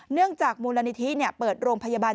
จากมูลนิธิเปิดโรงพยาบาล